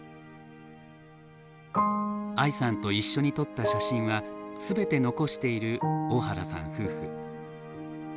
愛さんと一緒に撮った写真は全て残している大原さん夫婦。